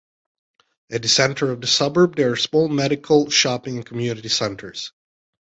At the centre of the suburb there are small medical, shopping and community centres.